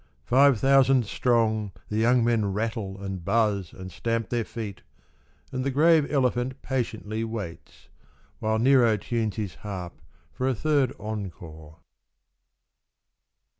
Five thousand strong The young men rattle, and buzz, and stamp their feet. And the grave elephant patiently waits, While Nero tunes his harp for a third encore.